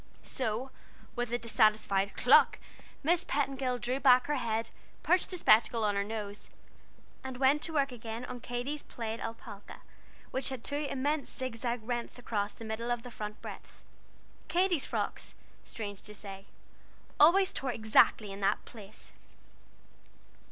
So, with a dissatisfied cluck, Miss Petingill drew back her head, perched the spectacles on her nose, and went to work again on Katy's plaid alpaca, which had two immense zigzag rents across the middle of the front breadth. Katy's frocks, strange to say, always tore exactly in that place!